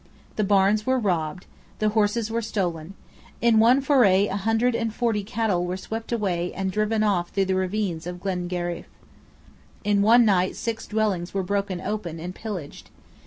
The barns were robbed. The horses were stolen. In one foray a hundred and forty cattle were swept away and driven off through the ravines of Glengariff. In one night six dwellings were broken open and pillaged.